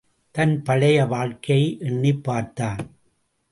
தன் பழைய வாழ்க்கையை எண்ணிப் பார்த்தான்.